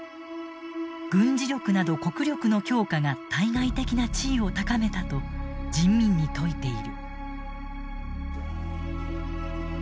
軍事力など国力の強化が対外的な地位を高めたと人民に説いている。